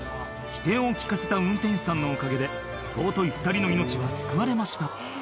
機転を利かせた運転士さんのおかげで尊い２人の命は救われました